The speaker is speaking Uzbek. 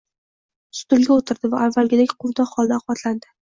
Stulga o`tirdi va avvalgidek quvnoq holda ovqatlandi…